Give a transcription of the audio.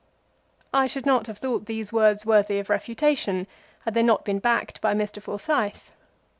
I should not have thought these words worthy of refutation had they not been backed by Mr. Forsyth.